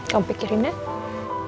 kamu pikirin rena